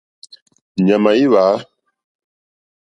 Ɲàmà í hwǎ.